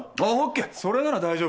それなら大丈夫だよ。